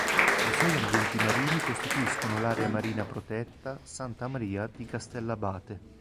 I suoi ambienti marini costituiscono l'area marina protetta Santa Maria di Castellabate.